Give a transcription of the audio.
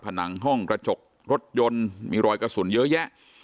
ผนังห้องกระจกรถยนต์มีรอยกระสุนเยอะแยะ